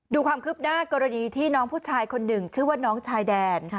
ดูความคืบหน้ากรณีที่น้องผู้ชายคนหนึ่งชื่อว่าน้องชายแดน